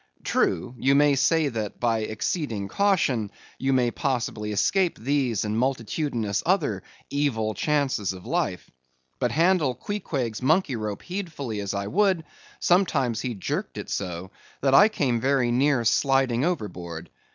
True, you may say that, by exceeding caution, you may possibly escape these and the multitudinous other evil chances of life. But handle Queequeg's monkey rope heedfully as I would, sometimes he jerked it so, that I came very near sliding overboard.